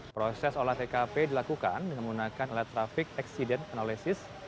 proses olah tkp dilakukan dengan menggunakan elet traffic accident analysis